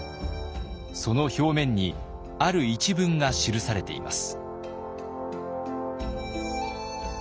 その表面にある一文が記されています。